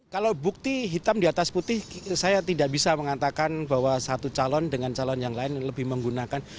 kalau bukti hitam di atas putih saya tidak bisa mengatakan bahwa satu calon dengan calon yang lain lebih menggunakan